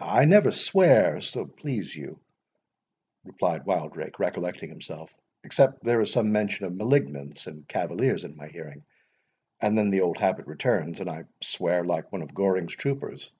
"I never swear, so please you," replied Wildrake, recollecting himself, "except there is some mention of malignants and cavaliers in my hearing; and then the old habit returns, and I swear like one of Goring's troopers."